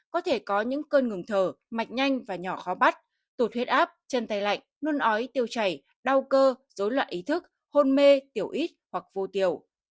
có thể có những cơn ngừng thở mạch nhanh và nhỏ khó bắt tụt huyết áp chân tay lạnh nôn ói tiêu chảy đau cơ dối loạn ý thức hôn mê tiểu ít hoặc vô tiểu